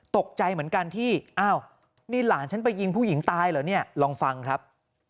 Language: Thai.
ตกใจเหมือนกันที่อ้าวนี่หลานฉันไปยิงผู้หญิงตายเหรอเนี่ยลองฟังครับ